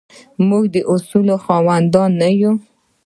موږ د اصولو خاوندان نه یو.